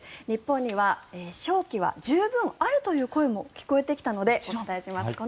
日本には勝機は十分あるという声も聞こえてきたのでお伝えします。